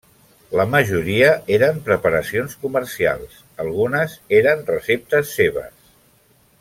La majoria eren preparacions comercials, algunes eren receptes seves.